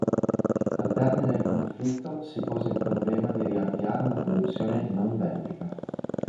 Al termine del conflitto si pose il problema di riavviare una produzione non bellica.